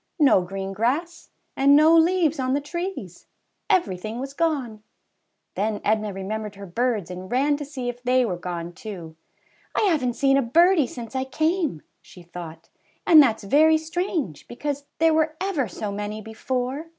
No green grass, and no leaves on the trees ! Everything was gone ! Then Edna remembered her birds and ran to see if they were gone too. havenT seen a birdie since I came,'' she thought, '^and that's very strange, because there were ever so many before."